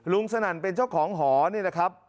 สนั่นเป็นเจ้าของหอนี่นะครับ